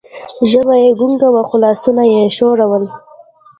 ژبه یې ګونګه وه، خو لاسونه یې ښورول.